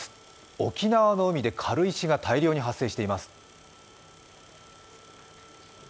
沖縄の海で軽石が大量に発生しています。